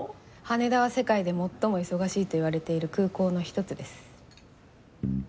羽田は世界で最も忙しいといわれている空港の一つです。